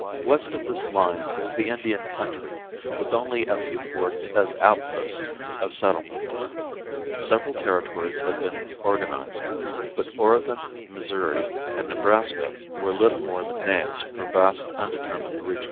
West of this line was the Indian country, with only a few forts as outposts of settlement. Several territories had been organized, but Oregon, Missouri, and Nebraska were little more than names for vast undetermined regions.